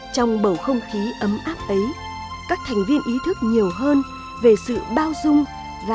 trong bầu không khí ấm áp ấy các thành viên ý thức nhiều hơn về sự bao dung và cẩn trọng trong việc ứng xử hàng ngày